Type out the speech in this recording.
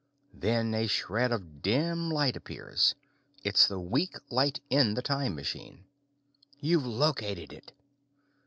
Then a shred of dim light appears; it's the weak light in the time machine. You've located it.